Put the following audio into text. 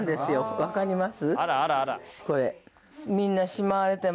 分かります？